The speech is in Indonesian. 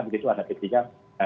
begitu ada ketiga